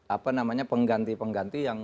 apa namanya pengganti pengganti yang